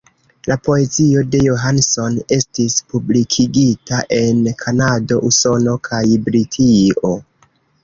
La poezio de Johnson estis publikigita en Kanado, Usono kaj Britio.